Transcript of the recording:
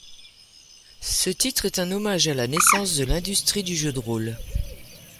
Ce titre est un hommage à la naissance de l'industrie du jeu de rôle.